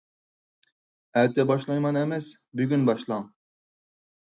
ئەتە باشلايمەن ئەمەس، بۈگۈن باشلاڭ.